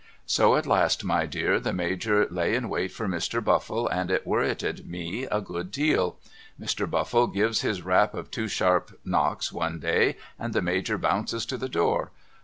So at last my dear the Major lay in wait for Mr. Buffle and it worrited me a good deal. Mr. Buffle gives his rap of two sharp knocks one day and the Major bounces to the door.